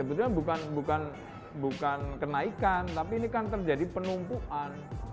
ini bukan kenaikan tapi ini kan terjadi penumpuan